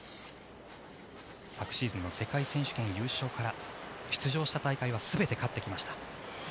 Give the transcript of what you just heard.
昨シーズンの世界選手権優勝から出場した大会は全て勝ってきました。